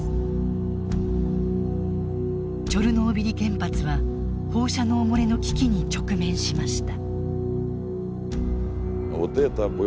チョルノービリ原発は放射能漏れの危機に直面しました。